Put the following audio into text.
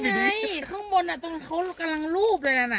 นั่นไงข้างบนอ่ะเค้ากำลังรูปเลยละนะ